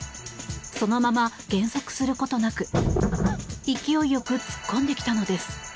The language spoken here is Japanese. そのまま減速することなく勢いよく突っ込んできたのです。